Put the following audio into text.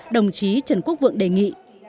đồng chí trần quốc vượng đề nghị